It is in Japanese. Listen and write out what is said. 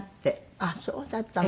あっそうだったの。